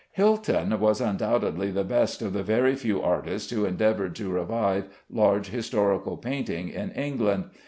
Hilton was undoubtedly the best of the very few artists who endeavored to revive large historical painting in England.